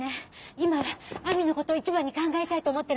今は亜美のこと一番に考えたいと思ってるの。